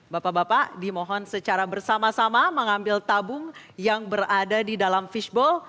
bapak bapak dimohon secara bersama sama mengambil tabung yang berada di dalam fishbowl